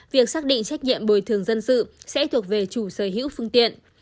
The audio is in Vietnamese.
việc xác định trách nhiệm bồi thường dân sự sẽ thuộc về chủ sở hữu phương tiện